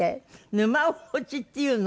沼落ちっていうの？